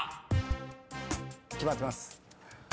決まってます。